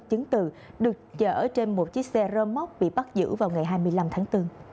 chứng từ được chở trên một chiếc xe rơ móc bị bắt giữ vào ngày hai mươi năm tháng bốn